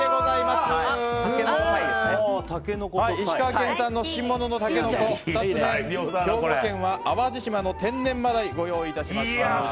すごい！石川県産の新物のタケノコ２つ目は兵庫県淡路島の天然マダイをご用意しました。